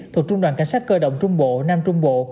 thuộc trung đoàn cảnh sát cơ động trung bộ nam trung bộ